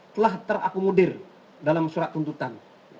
telah terakomodir dalam surat tuntutan